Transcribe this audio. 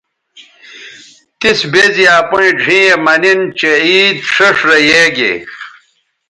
تِس بے زی اپیئں ڙھیئں یے مہ نِن چہء عید ݜیئݜ رے یے گے